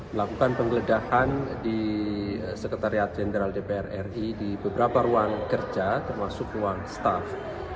melakukan penggeledahan di sekretariat jenderal dpr ri di beberapa ruang kerja termasuk ruang staff